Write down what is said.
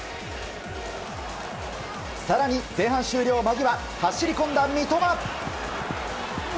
更に、前半終了間際走りこんだ三笘！